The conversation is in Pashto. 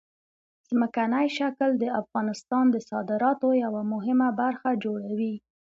ځمکنی شکل د افغانستان د صادراتو یوه مهمه برخه جوړوي.